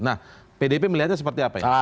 nah pdp melihatnya seperti apa ya